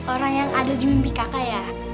orang yang ada di mimpi kakak ya